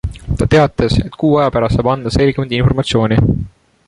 Ta teatas, et kuu aja pärast saab anda selgemat informatsiooni.